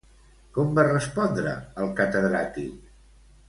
Com va respondre el catedràtic?